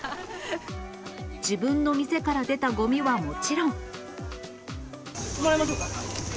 自分の店から出たごみはもちもらいましょうか？